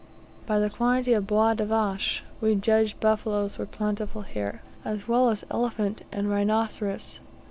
By the quantity of bois de vaches, we judged buffaloes were plentiful here, as well as elephant and rhinoceros.